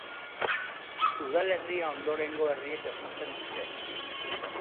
Udalerria ondorengo herriek osatzen dute.